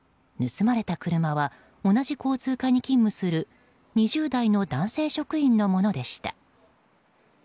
盗まれた車は同じ交通課に勤務する２０代の男性職員のものでした。